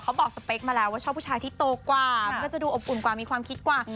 บอกสเปคมาแล้วว่าชอบผู้ชายที่โตกว่ามันก็จะดูอบอุ่นกว่ามีความคิดกว่า